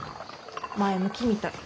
前向きみたい。